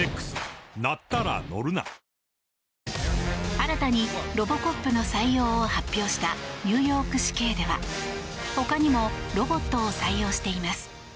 新たにロボコップの採用を発表したニューヨーク市警では他にもロボットを採用しています。